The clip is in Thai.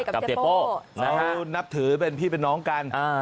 เสียโป้นับถือเป็นพี่เป็นน้องกัน